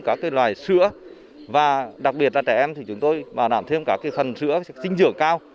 các loài sữa và đặc biệt là trẻ em thì chúng tôi bảo đảm thêm các phần sữa sinh dưỡng cao